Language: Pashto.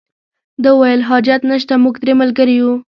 ده وویل حاجت نشته موږ درې ملګري یو.